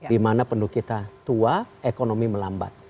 di mana penduduk kita tua ekonomi melambat